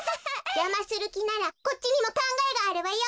じゃまするきならこっちにもかんがえがあるわよ。